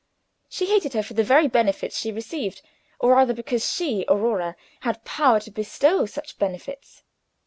She hated her for the very benefits she received, or rather because she, Aurora, had power to bestow such benefits.